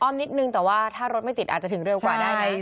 นิดนึงแต่ว่าถ้ารถไม่ติดอาจจะถึงเร็วกว่าได้ไหม